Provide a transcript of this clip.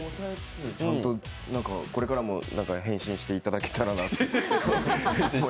これからも変身していただけたらなと。